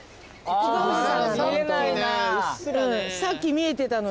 さっき見えてたのに。